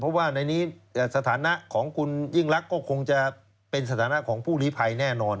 เพราะว่าในนี้สถานะของคุณยิ่งรักก็คงจะเป็นสถานะของผู้ลีภัยแน่นอน